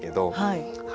はい。